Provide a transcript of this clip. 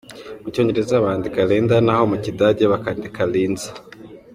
Mu cyongereza bandika Lynda naho mu kidage bakandika Linza.